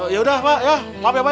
ya udah pak maaf ya pak